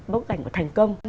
bức ảnh của thành công